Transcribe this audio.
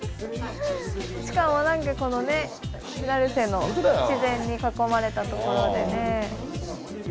しかも何かこのね成瀬の自然に囲まれたところでね。